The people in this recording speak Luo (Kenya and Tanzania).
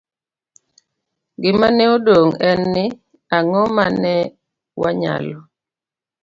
Gima ne odong ' en ni, ang'o ma ne wanyalo